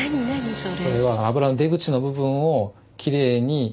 それ。